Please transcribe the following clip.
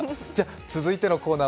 続いてのコーナー